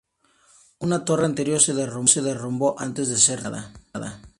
Una torre anterior se derrumbó antes de ser terminada.